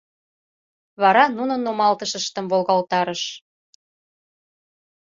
Вара нунын нумалтышыштым волгалтарыш.